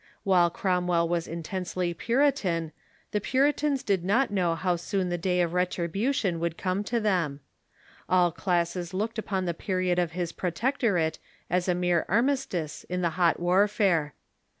While Cromwell was intensely Puritan, the Puritans did not know how soon the day of retribution would come to them. All classes Policy of 1qo1^^>j upon the period of his protectorate as a mere Cromwell ...^ t^ i • i • i armistice in the hot warfare.